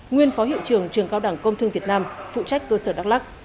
nguyên phó hiệu trường trường cao đẳng công thương việt nam phụ trách cơ sở đắk lắc